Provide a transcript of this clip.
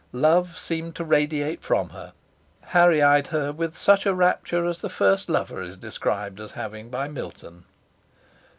Love seemed to radiate from her. Harry eyed her with such a rapture as the first lover is described as having by Milton.